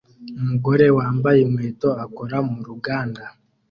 Umugore wambaye inkweto akora mu ruganda